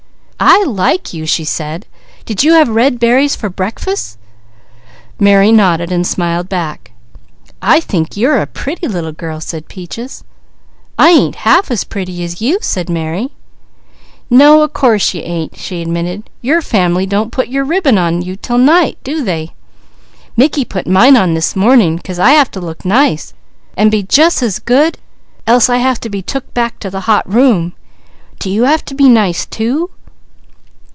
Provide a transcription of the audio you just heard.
"I like you," she said. "Did you have red berries for breakfus?" Mary nodded and smiled back. "I think you're a pretty little girl," said Peaches. "I ain't half as pretty as you," said Mary. "No a course you ain't," she admitted. "Your family don't put your ribbon on you 'til night, do they? Mickey put mine on this morning 'cause I have to look nice and be jus' as good, else I have to be took back to the hot room. Do you have to be nice too?"